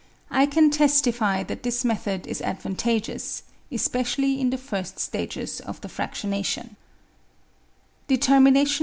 I can testify that this method is advantageous, especially in the first stages of the fractionation.